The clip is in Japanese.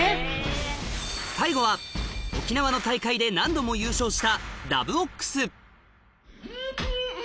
最後は沖縄の大会で何度も優勝した